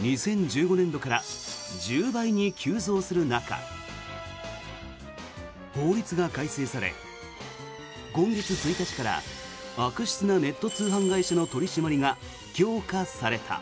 ２０１５年度から１０倍に急増する中法律が改正され、今月１日から悪質なネット通販会社の取り締まりが強化された。